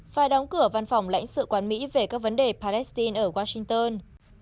phải đóng cửa văn phòng lãnh sự quán mỹ về các vấn đề palestine ở washington